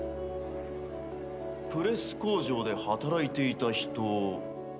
プレス工場で働いていた人ですか？